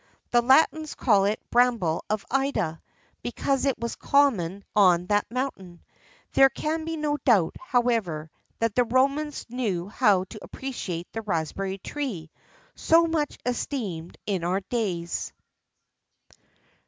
The Latins called it "Bramble of Ida," because it was common on that mountain.[XIII 66] There can be no doubt, however, that the Romans knew how to appreciate the raspberry tree, so much esteemed in our days.